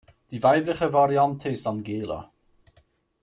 Die weibliche Variante ist Angela.